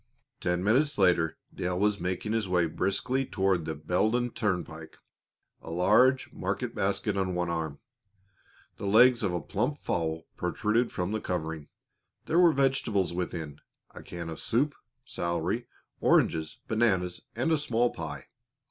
Ten minutes later Dale was making his way briskly toward the Beldon Turnpike, a large market basket on one arm. The legs of a plump fowl protruded from the covering; there were vegetables within, a can of soup, celery, oranges, bananas, and a small pie.